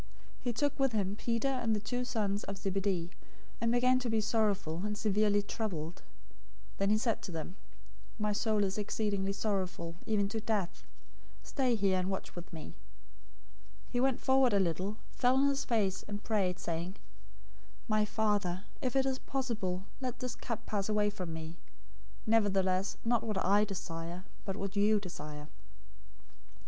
026:037 He took with him Peter and the two sons of Zebedee, and began to be sorrowful and severely troubled. 026:038 Then he said to them, "My soul is exceedingly sorrowful, even to death. Stay here, and watch with me." 026:039 He went forward a little, fell on his face, and prayed, saying, "My Father, if it is possible, let this cup pass away from me; nevertheless, not what I desire, but what you desire."